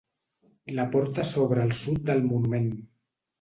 La porta s'obre al sud del monument.